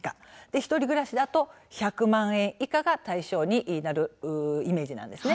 １人暮らしだと１００万円以下が対象になるイメージなんです。